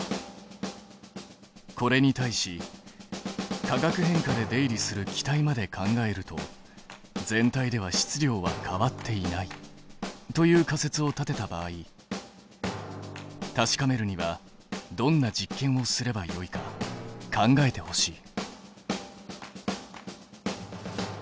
これに対し化学変化で出入りする気体まで考えると「全体では質量は変わっていない」という仮説を立てた場合確かめるにはどんな実験をすればよいか考えてほしい。